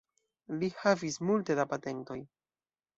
Li havis multe da patentoj.